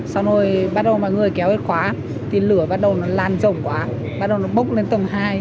sau rồi bắt đầu mọi người kéo hết quá thì lửa bắt đầu nó lan rộng quá bắt đầu nó bốc lên tầng hai